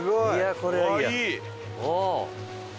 これはいいや。